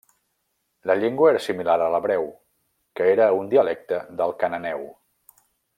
La llengua era similar a l'hebreu, que era un dialecte del cananeu.